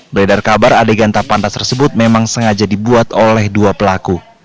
beredar kabar adegan tak pantas tersebut memang sengaja dibuat oleh dua pelaku